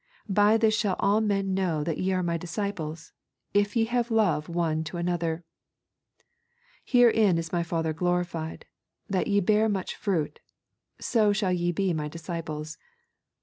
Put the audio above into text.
By this shall all men know that ye are My disciples, if ye have love one to another. Herein is My Father glorified, that ye bear much fruit, so shall ye be My disciples.